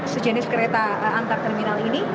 sejenis kereta antar terminal ini